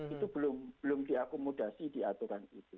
itu belum diakomodasi di aturan itu